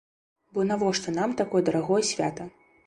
Бо навошта нам такое дарагое свята?